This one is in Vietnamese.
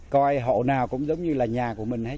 coi hộ nào cũng giống như là nhà của mình hết